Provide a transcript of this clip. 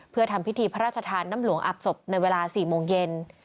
เพื่อทำพิธีพระราชทานน้ำหลวงอาบศพในเวลา๔โมงเย็น